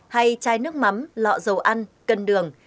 hay chai nước mắm lọ dầu ăn cân đường